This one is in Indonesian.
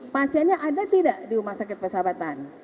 pasiennya ada tidak di rumah sakit persahabatan